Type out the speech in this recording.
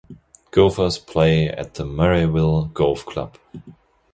Golfers play at the Murrayville Golf Club.